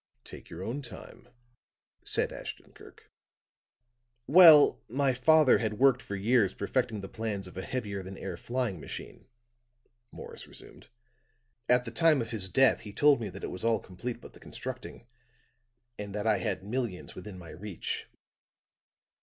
"Take your own time," said Ashton Kirk. "Well, my father had worked for years perfecting the plans of a heavier than air flying machine," Morris resumed. "At the time of his death he told me that it was all complete but the constructing, and that I had millions within my reach.